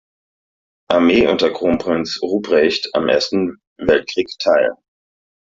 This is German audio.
Armee unter Kronprinz Rupprecht am Ersten Weltkrieg teil.